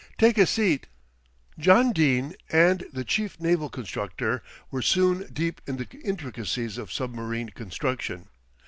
"Take a seat." John Dene and the Chief Naval Constructor were soon deep in the intricacies of submarine construction.